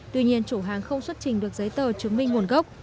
tuy nhiên chủ hàng không xuất trình được giấy tờ chứng minh nguồn gốc